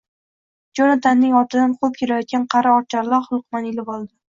Jonatanning ortidan quvib kelayotgan qari oqcharloq luqmani ilib oldi.